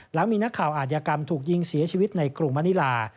หลังมีนักข่าวอาจยากรรมถูกยิงเสียชีวิตในกรุงมณิลา